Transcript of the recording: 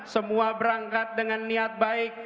semua berangkat dengan niat baik